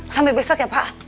sampai besok ya pak